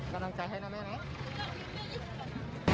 กำลังใจเฮ้น้าแม่เม